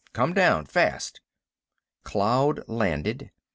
Come down, fast!" Cloud landed.